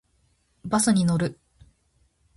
バスに乗る。